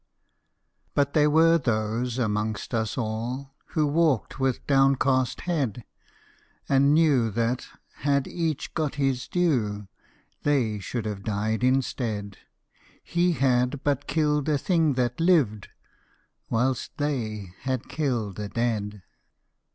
But there were those amongst us all Who walked with downcast head, And knew that, had each got his due, They should have died instead: He had but killed a thing that lived, Whilst they had killed the dead.